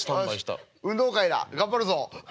「よし運動会だ。頑張るぞ。